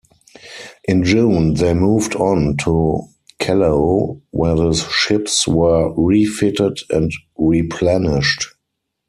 In June, they moved on to Callao, where the ships were refitted and replenished.